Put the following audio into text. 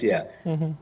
itu lagu dari malaysia